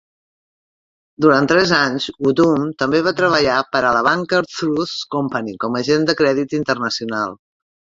Durant tres anys, WuDunn també va treballar per a la Bankers Trust Company com agent de crèdit internacional.